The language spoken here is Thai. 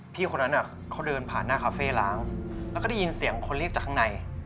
คนนั้นเขาเดินผ่านหน้าคาเฟ่ล้างแล้วก็ได้ยินเสียงคนเรียกจากข้างใน